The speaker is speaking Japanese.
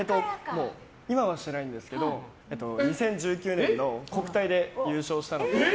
今はしてないんですけど２０１９年の国体で優勝したので。